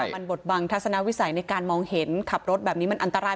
มันบทบังทัศนวิสัยในการมองเห็นขับรถแบบนี้มันอันตราย